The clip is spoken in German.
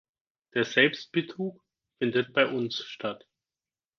Der Selbstbetrug findet bei uns statt.